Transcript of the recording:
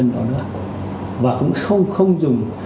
nếu vi phạm nhiều lần